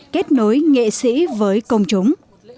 kết nối nghệ sĩ với công chúng